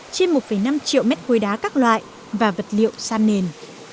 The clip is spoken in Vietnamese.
trên một năm triệu mét khối đá các loại và vật liệu san nền